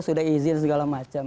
sudah izin segala macam